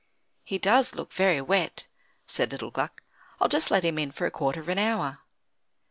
"He does look very wet," said little Gluck; "I'll just let him in for a quarter of an hour."